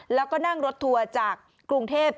แล้วก็นั่งรถทัวร์จากกรุงเทพ